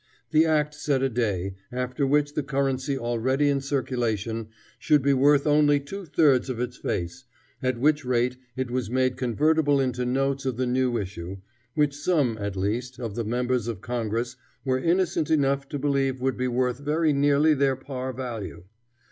The act set a day, after which the currency already in circulation should be worth only two thirds of its face, at which rate it was made convertible into notes of the new issue, which some, at least, of the members of Congress were innocent enough to believe would be worth very nearly their par value.